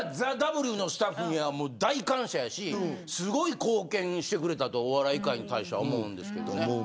それはＴＨＥＷのスタッフに悪いと思うしすごい貢献してくれたとお笑い界に対しては思います。